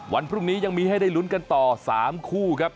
วันพรุ่งนี้ยังมีให้ได้ลุ้นกันต่อ๓คู่ครับ